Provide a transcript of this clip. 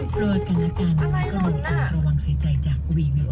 เป็นอะไรไหมพี่